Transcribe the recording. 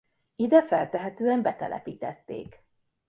Ide feltehetően betelepítették.